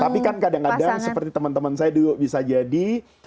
tapi kan kadang kadang seperti teman teman saya dulu bisa jadi